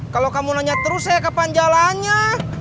kalau kamu nanya terus saya kapan jalannya